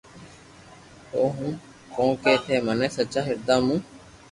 آوہ ھون ڪونڪھ ٿي مني سچا ھردا مون